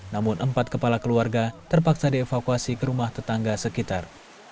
namun empat kepala keluarga terpaksa dievakuasi ke rumah tetangga sekitar